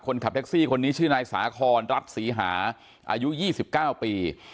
ขับแท็กซี่คนนี้ชื่อนายสาคอนรัฐศรีหาอายุ๒๙ปี